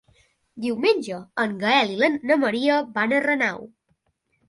Diumenge en Gaël i na Maria van a Renau.